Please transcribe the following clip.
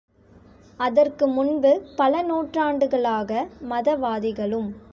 அதற்கு முன்பு பல நூற்றாண்டுகளாக மதவாதிகளும்.